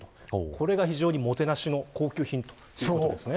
これがおもてなしの高級品ということですね。